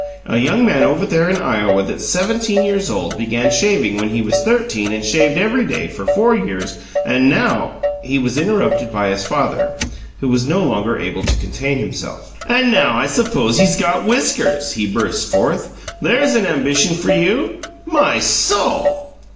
A young man over there in Iowa that's seventeen years old began shaving when he was thirteen and shaved every day for four years, and now " He was interrupted by his father, who was no longer able to contain himself. "And now I suppose he's got WHISKERS!" he burst forth. "There's an ambition for you! My soul!"